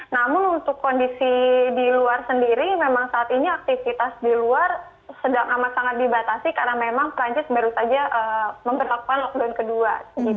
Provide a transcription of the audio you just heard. namun untuk kondisi di luar sendiri memang saat ini aktivitas di luar sedang amat sangat dibatasi karena memang perancis baru saja memperlakukan lockdown kedua